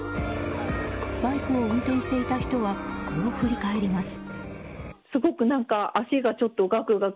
バイクを運転していた人はこう振り返ります。